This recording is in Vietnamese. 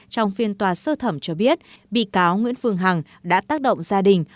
trong phiên tòa sơ thẩm cho biết bị cáo nguyễn phương hằng đã tác động gia đình